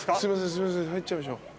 すいません入っちゃいましょう。